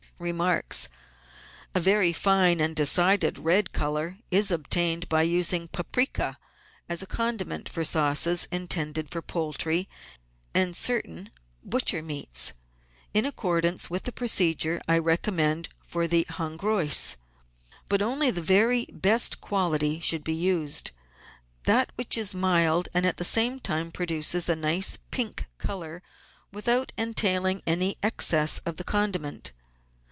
Remarks. — A very fine and decided red colour is obtained by using paprika as a condiment for sauces intended for poultry and certain butcher's meats, in accordance with the procedure I re commend for the Hongroise. But only the very best quality should be used — that which is mild and at the same time pro duces a nice pink colour without entailing any excess of the condiment.